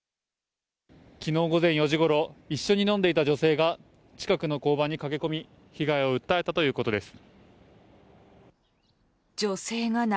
昨日午前４時ごろ一緒に飲んでいた女性が近くの交番に駆け込み被害を訴えたということです。